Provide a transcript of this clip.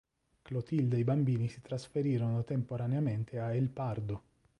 Clotilde e i bambini si trasferirono temporaneamente a El Pardo.